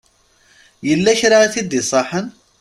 Yella kra i t-id-iṣaḥen?